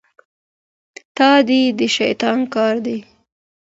تادي د شيطان کار دی.